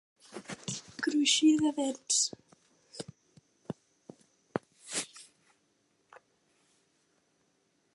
Cruixir de dents.